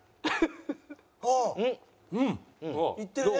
ああいってるね。